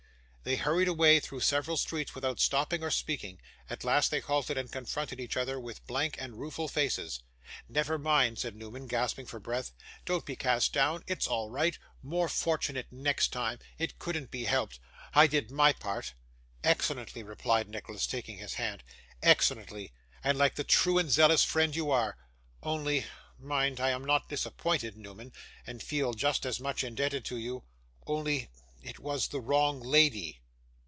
They hurried away, through several streets, without stopping or speaking. At last, they halted and confronted each other with blank and rueful faces. 'Never mind,' said Newman, gasping for breath. 'Don't be cast down. It's all right. More fortunate next time. It couldn't be helped. I did MY part.' 'Excellently,' replied Nicholas, taking his hand. 'Excellently, and like the true and zealous friend you are. Only mind, I am not disappointed, Newman, and feel just as much indebted to you only IT WAS THE WRONG LADY.